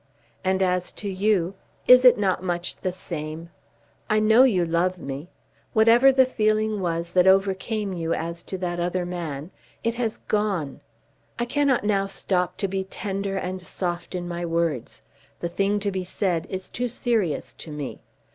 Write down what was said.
And as to you, is it not much the same? I know you love me. Whatever the feeling was that overcame you as to that other man, it has gone. I cannot now stop to be tender and soft in my words. The thing to be said is too serious to me.